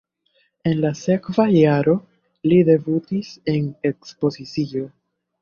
En la sekva jaro li debutis en ekspozicio.